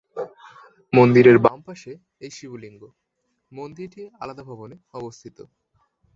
মন্দিরের বাম পাশে এই শিবলিঙ্গ মন্দিরটি আলাদা ভবনে অবস্থিত।